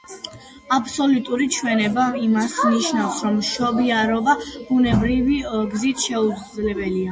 აბსოლუტური ჩვენება იმას ნიშნავს, რომ მშობიარობა ბუნებრივი გზით შეუძლებელია.